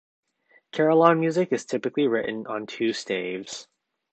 Carillon music is typically written on two staves.